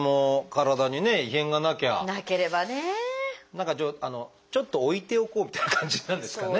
何かちょっと置いておこうみたいな感じなんですかね。